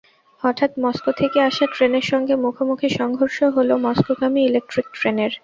হঠাৎ মস্কো থেকে আসা ট্রেনের সঙ্গে মুখোমুখি সংঘর্ষ হলো মস্কোগামী ইলেকট্রিক ট্রেনের।